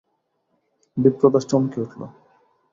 বিপ্রদাস চমকে উঠল।